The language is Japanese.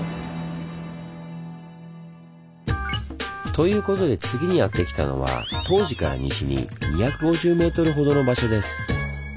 ということで次にやって来たのは東寺から西に２５０ｍほどの場所です。